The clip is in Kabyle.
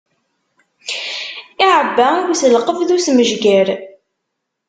Iɛebba i uselqeb d usmejger.